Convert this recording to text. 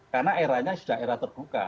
karena era nya sudah era terbuka